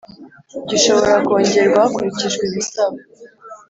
gishobora kongerwa hakurikijwe ibisabwa